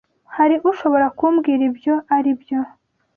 Hari ushobora kumbwira ibyo aribyo?